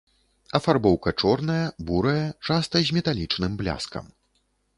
Афарбоўка, чорная, бурая, часта з металічным бляскам.